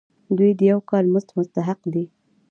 دوی د یو کال مزد مستحق دي.